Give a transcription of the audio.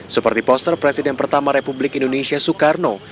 seperti poster presiden pertama republik indonesia soekarno